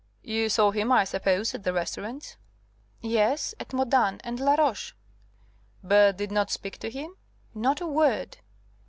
"You saw him, I suppose, at the restaurants?" "Yes, at Modane and Laroche." "But did not speak to him?" "Not a word."